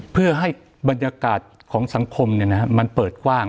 เพื่อให้บรรยากาศของสังคมมันเปิดกว้าง